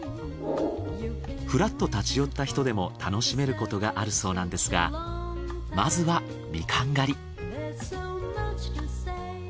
フラッと立ち寄った人でも楽しめることがあるそうなんですがまずはみかん狩り。